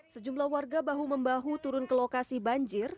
sejumlah warga bahu membahu turun ke lokasi banjir